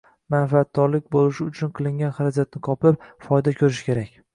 Manfaatdorlik boʻlishi uchun qilingan xarajatni qoplab, foyda koʻrish kerak.